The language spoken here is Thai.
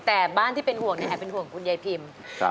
แต่บ้านที่เป็นห่วงเนี่ยแอบเป็นห่วงคุณยายพิม